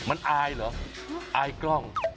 มันอายเหรออายกล้อง